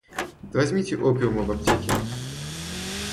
Да возьмите опиуму в аптеке.